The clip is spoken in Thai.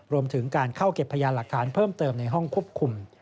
รวมถึงการเข้าเก็บพยานหลักฐานเพิ่มเติมในห้องควบคุม